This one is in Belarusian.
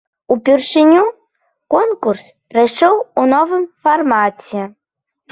Упершыню конкурс прайшоў у новым фармаце.